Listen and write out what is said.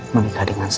menikah dengan aku